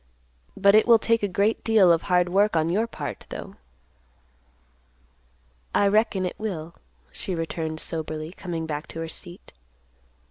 But it will take a great deal of hard work on your part, though." "I reckon it will," she returned soberly, coming back to her seat.